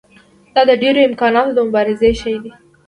دا د ډېرو امکاناتو د مبارزې شی نه دی.